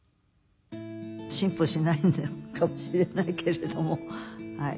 進歩しないのかもしれないけれどもはい。